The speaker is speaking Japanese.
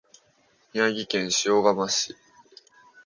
宮城県塩竈市